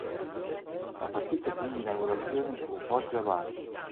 La partita di inaugurazione fu Foggia-Bari.